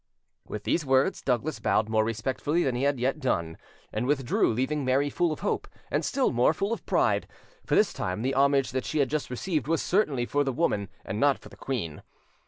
With these words, Douglas bowed more respectfully than he had yet done, and withdrew, leaving Mary full of hope, and still more full of pride; for this time the homage that she had just received was certainly for the woman and not for the queen.